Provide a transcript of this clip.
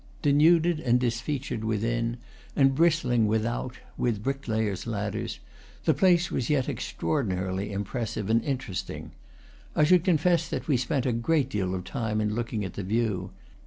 Denuded and disfeatured within, and bristling without with brick layers' ladders, the place was yet extraordinarily im pressive and interesting. I should confess that we spent a great deal of time in looking at the view.